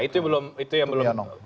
itu yang belum